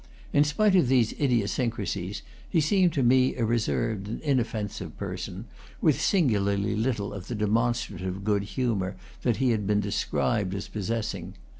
In spite of these idiosyncrasies, he seemed to me a reserved and inoffensive person, with singularly little of the demonstrative good humor that he has been described as possessing.